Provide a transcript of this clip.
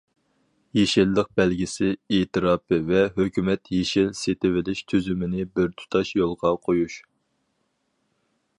يېشىللىق بەلگىسى، ئېتىراپى ۋە ھۆكۈمەت يېشىل سېتىۋېلىش تۈزۈمىنى بىر تۇتاش يولغا قويۇش.